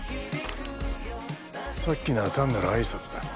さっきのは単なるあいさつだ。